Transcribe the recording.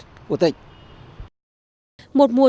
một mùa xuân tỉnh đã được đón xuân